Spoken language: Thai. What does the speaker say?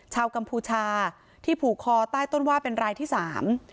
กัมพูชาที่ผูกคอใต้ต้นว่าเป็นรายที่สาม